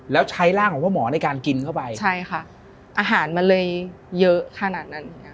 แล้วใช้ร่างของพ่อหมอในการกินเข้าไปใช่ค่ะอาหารมันเลยเยอะขนาดนั้นอย่างเงี้